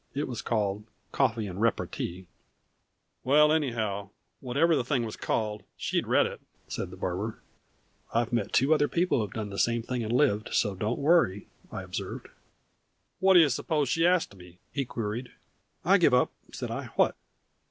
"It was called 'Coffee and Repartee.'" "Well, anyhow, whatever the thing was called, she'd read it," said the barber. "I have met two other people who have done the same thing and lived; so don't worry," I observed. "Whaddyer suppose she ast me?" he queried. "I give it up," said I. "What?"